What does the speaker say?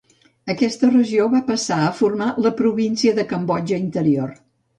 Aquesta regió va passar a formar la província de Cambodja Interior.